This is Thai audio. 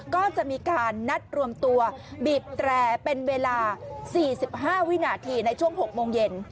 ก็จะมีการนัดรวมตัวบีบแตรเป็นเวลา๔๕วินาทีในช่วง๖โมงเย็น